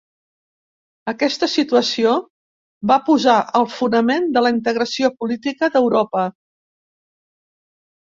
Aquesta situació va posar el fonament de la integració política d'Europa.